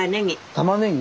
たまねぎ。